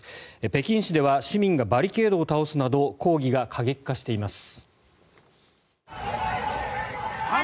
北京市では市民がバリケードを倒すなど抗議が過激化しています。